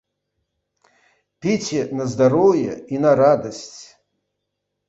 Піце на здароўе і на радасць!